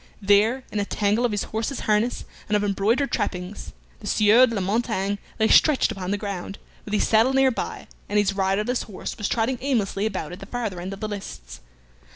There, in a tangle of his horse's harness and of embroidered trappings, the Sieur de la Montaigne lay stretched upon the ground, with his saddle near by, and his riderless horse was trotting aimlessly about at the farther end of the lists.